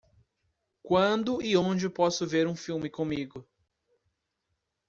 Quando e onde posso ver um filme comigo?